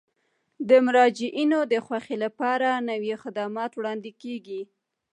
د مراجعینو د خوښۍ لپاره نوي خدمات وړاندې کیږي.